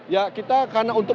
ya kita karena untuk